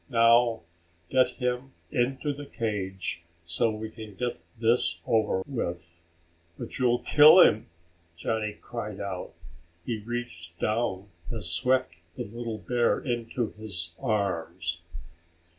Now, get him into the cage, so we can get this over with." "But you'll kill him!" Johnny cried out. He reached down and swept the little bear into his arms.